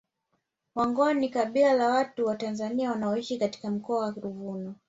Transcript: Wangoni ni kabila la watu wa Tanzania wanaoishi katika Mkoa wa Ruvuma